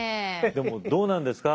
でもどうなんですか？